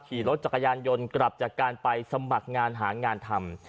ขี่รถจักรยานยนต์กลับจากการไปสมัครงานหางานทำ